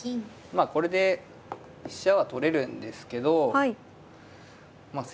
まあこれで飛車は取れるんですけど先手もですね